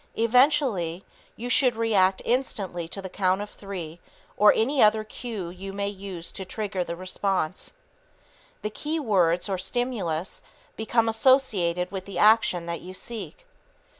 Eventually, you should react instantly to the count of three or any other cue you may use to trigger the response. The key words or stimulus become associated with the action that you seek.